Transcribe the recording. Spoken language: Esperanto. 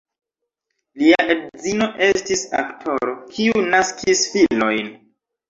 Lia edzino estis aktoro, kiu naskis filojn.